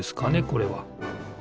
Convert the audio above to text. これは。